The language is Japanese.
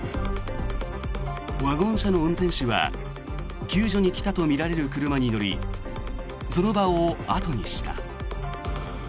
ワゴン車の運転手は救助に来たとみられる車に乗りその場を後にした。